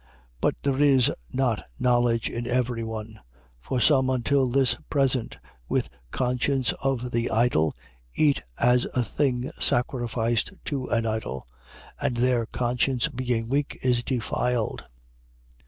8:7. But there is not knowledge in every one. For some until this present, with conscience of the idol, eat as a thing sacrificed to an idol: and their conscience, being weak, is defiled.